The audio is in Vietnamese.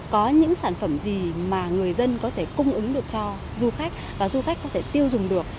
có những sản phẩm gì mà người dân có thể cung ứng được cho du khách và du khách có thể tiêu dùng được